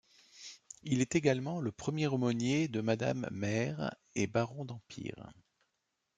Il est également le premier aumônier de Madame Mère et baron d'Empire.